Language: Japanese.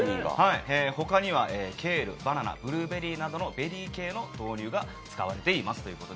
他にはケール、バナナ、ブルーベリーなどのベリー系と豆乳が使われています。